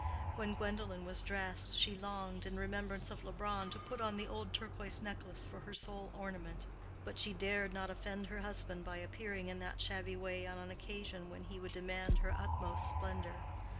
When Gwendolen was dressing, she longed, in remembrance of Leubronn, to put on the old turquoise necklace for her sole ornament; but she dared not offend her husband by appearing in that shabby way on an occasion when he would demand her utmost splendor.